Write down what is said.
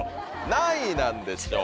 何位なんでしょうか？